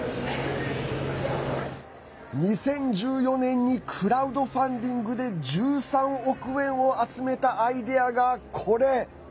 ２０１４年にクラウドファンディングで１３億円を集めたアイデアがこれ。